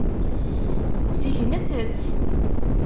Segnet-t.